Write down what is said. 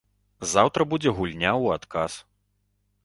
Заўтра будзе гульня ў адказ.